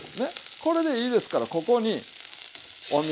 これでいいですからここにお水。